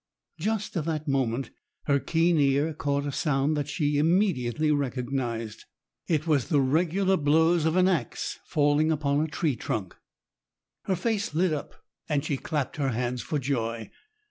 Just at that moment her keen ear caught a sound that she immediately recognized. It was the regular blows of an axe falling upon a tree trunk. Her face lit up, and she clapped her hands for joy.